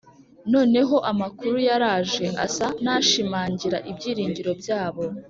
. Noneho amakuru yaraje asa n’ashimangira ibyiringiro byabo.